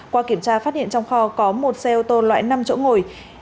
qua kiểm tra phát hiện trong kho có một xe ô tô loại năm chỗ ngồi